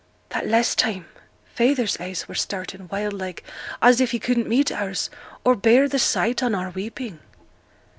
'That last time feyther's eyes were starting, wild like, and as if he couldn't meet ours, or bear the sight on our weeping.'